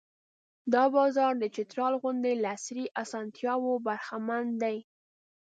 دا بازار د چترال غوندې له عصري اسانتیاوو برخمن دی.